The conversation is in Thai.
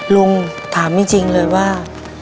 ลุงถามจริงเลยว่า